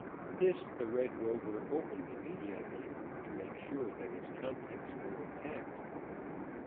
This the Red Rover opened immediately, to make sure that its contents were intact.